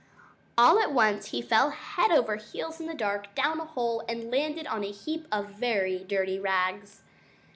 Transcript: All at once he fell head over heels in the dark, down a hole, and landed on a heap of very dirty rags.